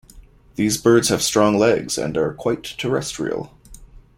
These birds have strong legs and are quite terrestrial.